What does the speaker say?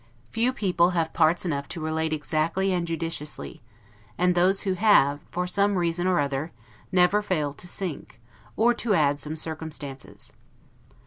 Few people have parts enough to relate exactly and judiciously: and those who have, for some reason or other, never fail to sink, or to add some circumstances.